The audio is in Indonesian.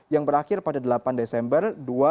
yang berakhir pada delapan desember dua ribu empat belas